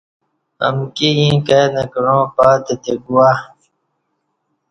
امکی ییں کائ نہ کعاں پاتہتے گواہ